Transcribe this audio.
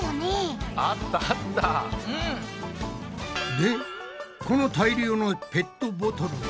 でこの大量のペットボトルは？